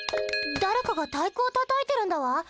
誰かが太鼓をたたいてるんだわ。